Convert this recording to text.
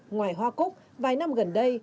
ngoài hoa cúc vài năm gần đây